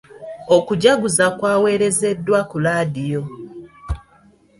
Okujaguza kwaweerezeddwa ku laadiyo.